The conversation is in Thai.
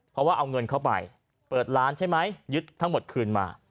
เพราะว่าเอาเงินเข้าไปเปิดร้านใช่ไหมยึดทั้งหมดคืนมา